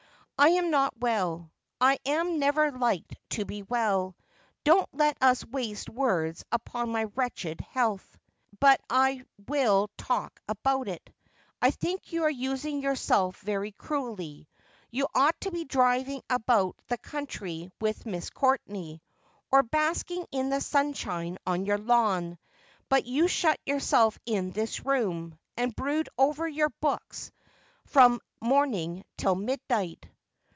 ' I am not well. I am never likely to be well. Don't let us waste woids upon my wretched health.' ' But I will talk about it. I think you are using yourself very cruelly. You ought to be driving about the country with Miss Courtenay, or basking in the sunshine on the lawn. But you shut yourself in this room, and brood over your books from morning till midnight.'